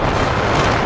aku akan menang